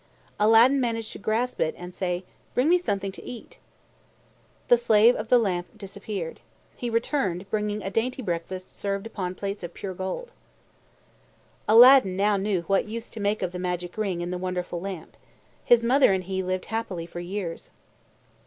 Aladdin managed to grasp it, and say, "Bring me something to eat." The Slave of the Lamp disappeared. He returned, bringing a dainty breakfast served upon plates of pure gold. Aladdin now knew what use to make of the magic ring and the wonderful lamp. His mother and he lived happily for years.